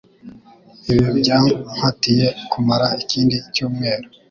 Ibi byampatiye kumara ikindi cyumweru.